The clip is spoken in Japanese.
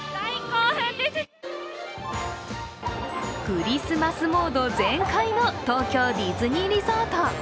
クリスマスモード全開の東京ディズニーリゾート。